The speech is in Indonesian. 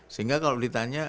sehingga kalau ditanya